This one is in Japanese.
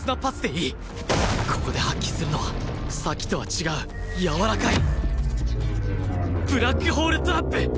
ここで発揮するのはさっきとは違うやわらかいブラックホールトラップ！